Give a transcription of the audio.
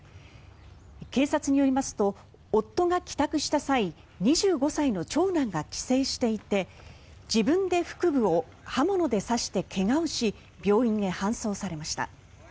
警察によりますと夫が帰宅した際２５歳の長男が帰省していて自分で腹部を刃物で刺して怪我をし病院へ搬送されました。